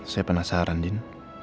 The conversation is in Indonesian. saya penasaran nid